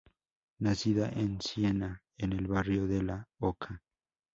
Nacida en Siena, en el barrio de la Oca.